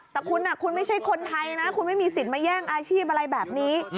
แต่คุณคุณไม่ใช่คนไทยนะคุณไม่มีสิทธิ์มาแย่งอาชีพอะไรแบบนี้